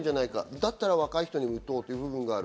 だったら若い人に打とうという部分がある。